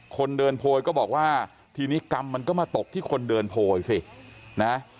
คนเดินโพยก็บอกว่าทีนี้กรรมมันก็มาตกที่คนเดินโพยสินะ